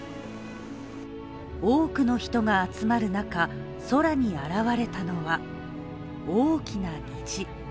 多くの人が集まる中、空に現れたのは大きな虹。